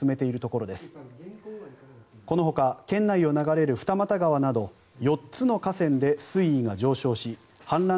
このほか県内を流れる二股川など４つの河川で水位が上昇し氾濫